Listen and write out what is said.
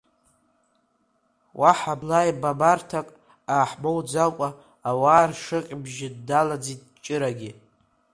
Уаҳа бла еибабарҭак ааҳмоуӡакәа, ауаа ршыкьбжьы дналаӡит Ҷырагьы…